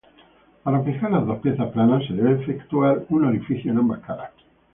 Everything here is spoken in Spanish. Para fijar las dos piezas planas se debe efectuar un orificio en ambas caras.